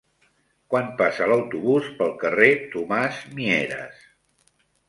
Quan passa l'autobús pel carrer Tomàs Mieres?